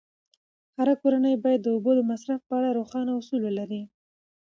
هره کورنۍ باید د اوبو د مصرف په اړه روښانه اصول ولري.